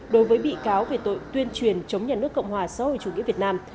đối với bị cáo về tội tuyên truyền chống nhà nước cộng hòa xã hội chủ nghĩa việt nam